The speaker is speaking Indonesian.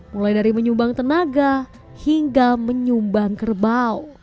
mulai dari menyumbang tenaga hingga menyumbang kerbau